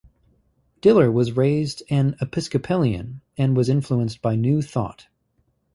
Diller was raised an Episcopalian and was influenced by New Thought.